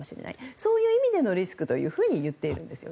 そういう意味でのリスクと言っているんですね。